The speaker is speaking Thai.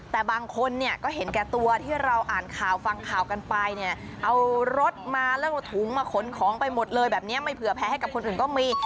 แต่บางคนเนี่ยก็เห็นแก่ตัวที่เราอ่านข่าวฟังข่าวกันไปเนี่ยเอารถมาแล้วเอาถุงมาขนของไปหมดเลยแบบนี้ไม่เผื่อแพ้ให้กับคนอื่นก็มี